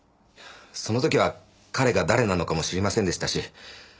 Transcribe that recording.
その時は彼が誰なのかも知りませんでしたし